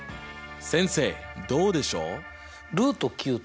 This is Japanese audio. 先生どうでしょう。